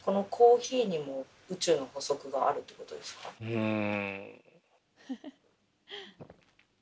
うん。